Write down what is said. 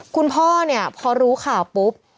คุณพ่อเนี่ยพอรู้ข่าวปุ๊บ